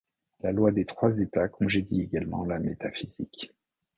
La loi des trois états congédie également la métaphysique.